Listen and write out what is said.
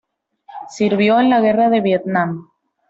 Sirvió en la guerra de Vietnam.